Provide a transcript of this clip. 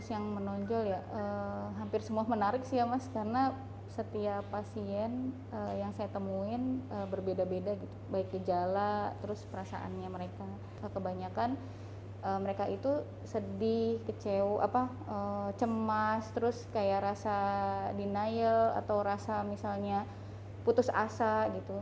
kasus yang menonjol ya hampir semua menarik sih ya mas karena setiap pasien yang saya temuin berbeda beda gitu baik kejala terus perasaannya mereka kebanyakan mereka itu sedih kecewa apa cemas terus kayak rasa denial atau rasa misalnya putus asa gitu